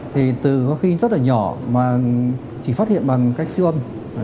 thì từ có khi rất là nhỏ mà chỉ phát hiện bằng cách siêu âm